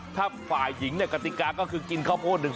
ถ้าฝ่ายหญิงเนี่ยกติกาก็คือกินข้าวโพดหนึ่ง